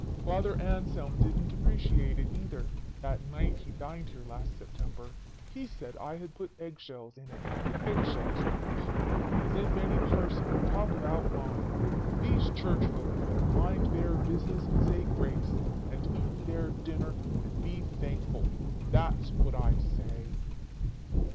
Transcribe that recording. Father Anselm didn't appreciate it, either, that night he dined here last September. He said I had put egg shells in it. Egg shells! Pooh! As if any parson could talk about wine. These Church folk had better mind their business, and say grace, and eat their dinner, and be thankful. That's what I say.